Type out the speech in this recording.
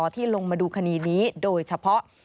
ที่ลงมาดูคดีนี้โดยเฉพาะ